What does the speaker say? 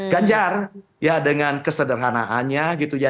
ganjar ya dengan kesederhanaannya gitu ya